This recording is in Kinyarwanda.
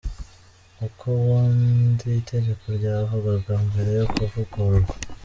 Uko ubundi itegeko ryavugaga mbere yo kuvugururwa.